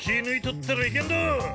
抜いとったらいけんど！